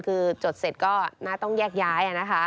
คือจดเสร็จก็งั้นต้องแยกย้าย